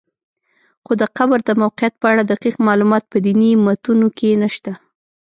خو د قبر د موقعیت په اړه دقیق معلومات په دیني متونو کې نشته.